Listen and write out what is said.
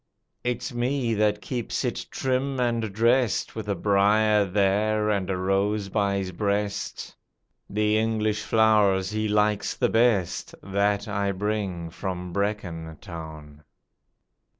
It's me that keeps it trim and drest With a briar there and a rose by his breast The English flowers he likes the best That I bring from Brecon Town.